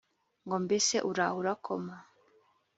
ngo mbese uraho urakoma